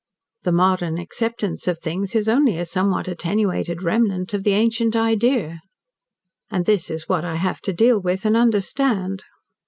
The modern acceptance of things is only a somewhat attenuated remnant of the ancient idea. And this is what I have to deal with and understand.